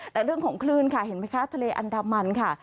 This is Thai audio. แต่เรื่องของคลื่นค่ะเห็นไหมคะทะเลอันดามันค่ะ